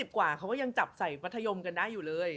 กว่าเขาก็ยังจับใส่มัธยมกันได้อยู่เลย